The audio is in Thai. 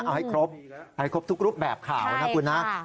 เอาให้ครบให้ครบทุกรูปแบบข่าวนะคุณนะ